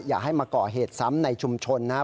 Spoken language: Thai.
อย่าให้มาก่อเหตุซ้ำในชุมชนนะครับ